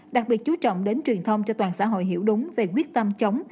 đặc biệt chú trọng đến truyền thông cho toàn xã hội hiểu đúng về quyết tâm chống